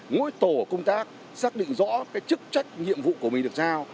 mỗi tổ công tác xác định rõ cái chức trách nhiệm vụ của mình được giao